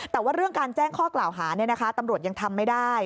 แต่ว่าเรื่องการแจ้งข้อกล่าวหาตำรวจยังทำไม่ได้